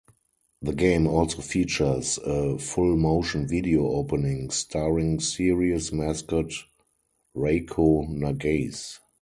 The game also features a Full Motion Video opening, starring series mascot Reiko Nagase.